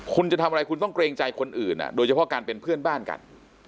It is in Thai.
คุณจะทำอะไรคุณต้องเกรงใจคนอื่นโดยเฉพาะการเป็นเพื่อนบ้านกัน